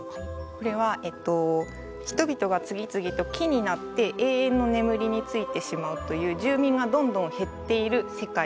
これは人々が次々と木になって永遠の眠りについてしまうという住人がどんどん減っている世界。